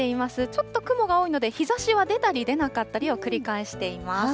ちょっと雲が多いので、日ざしは出たりでなかったりを繰り返しています。